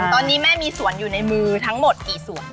ตอนนี้แม่มีสวนอยู่ในมือทั้งหมดกี่สวน